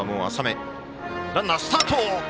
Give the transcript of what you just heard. ランナー、スタート。